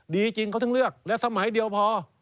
ดีจริงเขาถึงเลือกและสมัยเดียวพอ